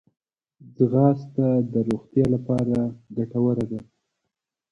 ځغاسته د روغتیا لپاره ګټوره ده